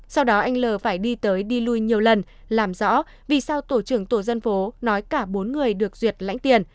sau đó anh l phải đi tới đi lui nhiều lần làm rõ vì sao tổ trưởng tổ dân phố nói cả bốn người được duyệt lãnh tiền